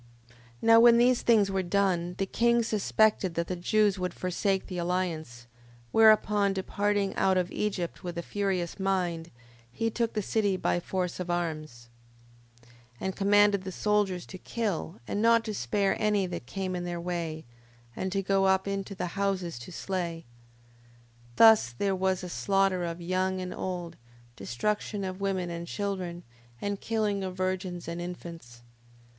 5:11. Now when these things were done, the king suspected that the Jews would forsake the alliance: whereupon departing out of Egypt with a furious mind, he took the city by force of arms, 5:12. And commanded the soldiers to kill, and not to spare any that came in their way, and to go up into the houses to slay. 5:13. Thus there was a slaughter of young and old, destruction of women and children, and killing of virgins and infants.